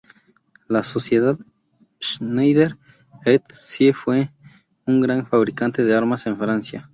La sociedad Schneider et Cie fue un gran fabricante de armas en Francia.